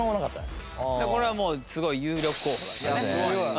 これはもうすごい有力候補だったね。